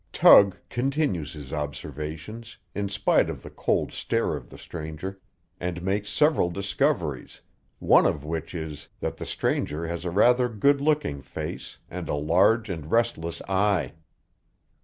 Tug continues his observations, in spite of the cold stare of the stranger, and makes several discoveries, one of which is, that the stranger has a rather good looking face and a large and restless eye.